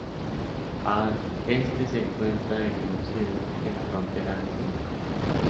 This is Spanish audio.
Al este se encuentra el Neusiedl, en la frontera con Hungría.